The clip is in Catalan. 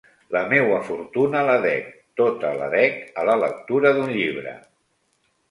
La meua fortuna la dec tota la dec a la lectura d'un llibre.